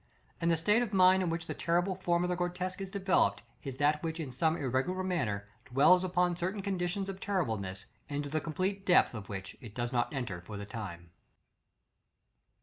And the state of mind in which the terrible form of the grotesque is developed, is that which in some irregular manner, dwells upon certain conditions of terribleness, into the complete depth of which it does not enter for the time.